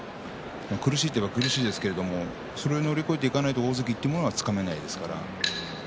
苦しいといえば苦しいですけれどそれを乗り越えていかないと大関というものはつかめないですから。